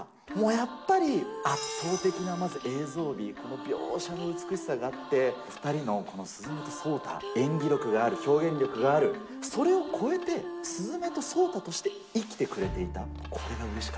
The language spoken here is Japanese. やっぱり圧倒的なまず映像美、描写の美しさがあって、２人の、この、鈴芽と草太、演技力がある、表現力がある、それをこえて、鈴芽と草太として生きてくれていた。